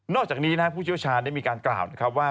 นอกจากนี้ผู้ชิวชาญได้มีการกล่าวว่า